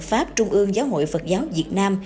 pháp trung ương giáo hội phật giáo việt nam